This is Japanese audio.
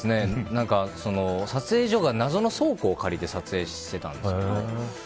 撮影所が、謎の倉庫を借りて撮影してたんです。